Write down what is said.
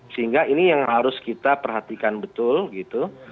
sehingga ini yang harus kita perhatikan betul gitu